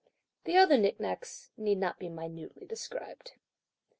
The other nick nacks need not be minutely described.